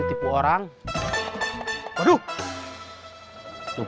ini sih ganteng rayon jeng